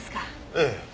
ええ。